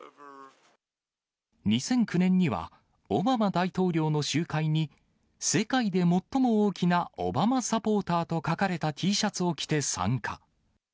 ２００９年には、オバマ大統領の集会に、世界で最も大きなオバマサポーターと書かれたＴシャツを着て参加。